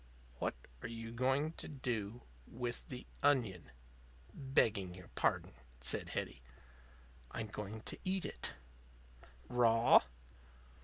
"What are you going to do with the onion? begging your pardon," said Hetty. "I'm going to eat it." "Raw?"